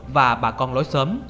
và bà con lối xóm